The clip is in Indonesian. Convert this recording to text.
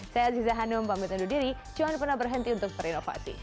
saya aziza hanum pamit dan dudiri jangan pernah berhenti untuk perinovasi